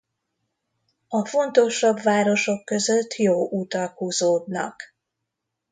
A fontosabb városok között jó utak húzódnak.